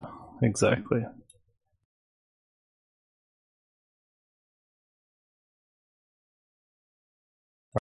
It subsequently passes near the city of Grosseto, before flowing into the Tyrrhenian Sea.